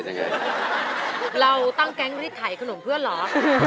ดูจากภาพล่าภายนอกเราก็ไม่น่าจะเป็นมาเฟียหรืออะไร